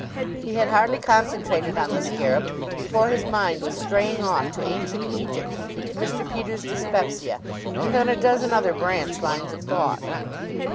He had hardly concentrated on the scarab before his mind was straying off to ancient Egypt, to Mr. Peters' dyspepsia, and on a dozen other branch lines of thought.